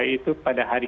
itu pada hari